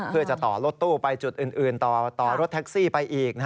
เพื่อจะต่อรถตู้ไปจุดอื่นต่อรถแท็กซี่ไปอีก